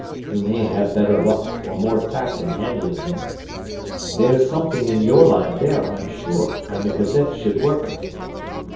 You may have better luck, or more tact in handling him. There's something in your line there, I am sure, and the Gazette should work it."